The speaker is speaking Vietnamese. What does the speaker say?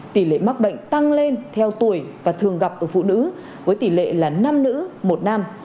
tỷ lệ mắc bệnh tăng lên theo tuổi và thường gặp ở phụ nữ với tỷ lệ là năm nữ một nam